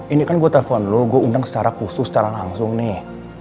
ini kan gue telepon lu gue undang secara khusus secara langsung nih